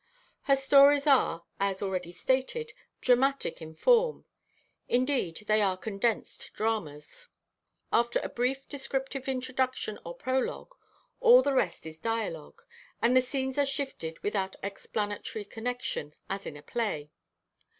Her stories are, as already stated, dramatic in form. Indeed they are condensed dramas. After a brief descriptive introduction or prologue, all the rest is dialogue, and the scenes are shifted without explanatory connection, as in a play.